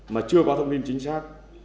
mà chưa có thông tin chính xác